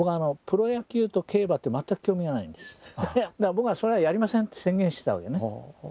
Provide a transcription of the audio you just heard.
僕はそれはやりませんって宣言してたわけね。